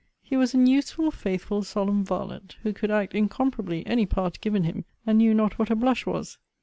He was an useful, faithful, solemn varlet, who could act incomparably any part given him, and knew not what a blush was.